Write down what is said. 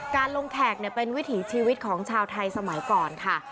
การลงแขกเป็นวิถีชีวิตของชาวไทยสมัยก่อนค่ะ